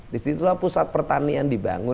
disitulah pusat pertanian dibangun